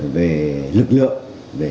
về lực lượng